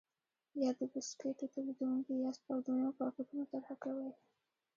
یا د بسکېټو تولیدوونکي یاست او د نویو پاکټونو طرحه کوئ.